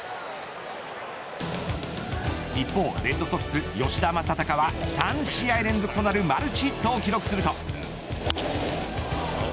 一方、レッドソックス吉田正尚は３試合連続となるマルチヒットを記録すると。